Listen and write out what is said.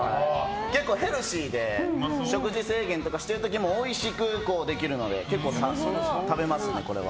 結構ヘルシーで食事制限している時もおいしくできるので結構食べますね、これは。